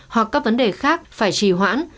hoặc các vấn đề khác phải trì hoãn